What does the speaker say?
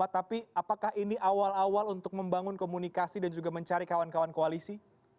tapi apakah ini awal awal untuk membangun komunikasi dan juga mencari kawan kawan koalisi